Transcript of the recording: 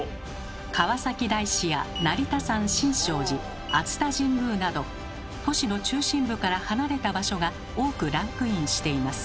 川崎大師や成田山新勝寺熱田神宮など都市の中心部から離れた場所が多くランクインしています。